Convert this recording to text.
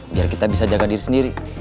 biar kita bisa jaga diri sendiri